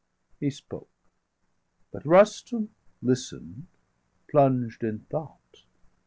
He spoke; but Rustum listen'd, plunged in thought.